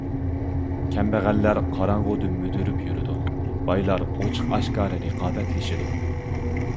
كەمبەغەللەر قاراڭغۇدا مۈدۈرۈپ يۈرىدۇ، بايلار ئوچۇق-ئاشكارا رىقابەتلىشىدۇ.